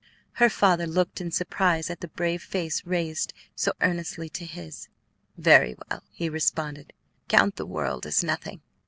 Her father looked in surprise at the brave face raised so earnestly to his. "Very well," he responded; "count the world as nothing.